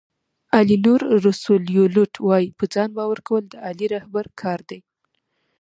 الینور روسیولوټ وایي په ځان باور کول د عالي رهبر کار دی.